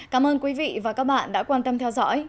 cảm ơn quý vị và các bạn đã quan tâm theo dõi